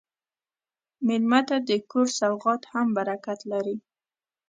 مېلمه ته د کور سوغات هم برکت لري.